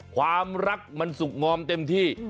ความรักมันสุขงอมเต็มที่